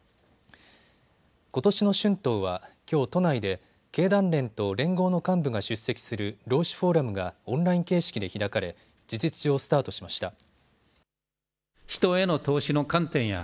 ことしの春闘は、きょう都内で経団連と連合の幹部が出席する労使フォーラムがオンライン形式で開かれ事実上、スタートしました。